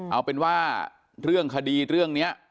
เอาเป็นว่าเรื่องคดีเรื่องนี้